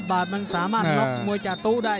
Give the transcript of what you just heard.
๑๐๐บาทมันสามารถล๊อคมวยจากตู้ได้